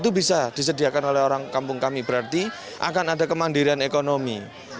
itu bisa disediakan oleh orang kampung kami berarti akan ada kemandirian ekonomi